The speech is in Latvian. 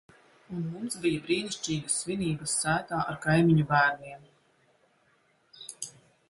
Un mums bija brīnišķīgas svinības sētā ar kaimiņu bērniem.